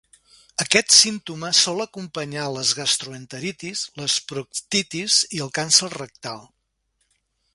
Aquest símptoma sol acompanyar les gastroenteritis, les proctitis i el càncer rectal.